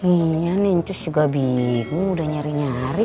iya nih ancus juga bingung udah nyari nyari